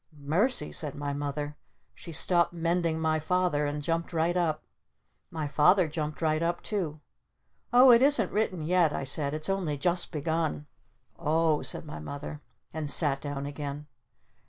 "Mercy!" said my Mother. She stopped mending my Father and jumped right up. My Father jumped right up too! "Oh, it isn't written yet!" I said. "It's only just begun!" "O h," said my Mother. And sat down again.